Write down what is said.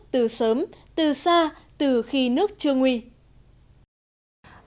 từ sớm từ xa từ khi nước chưa nguy